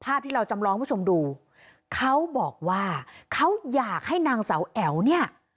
ภาพที่เราจำลองผู้ชมดูเขาบอกว่าเขาอยากให้นางเสาแอ๋วเนี่ย